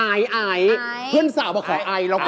อายเพื่อนสาวบอกขออายแล้วกัน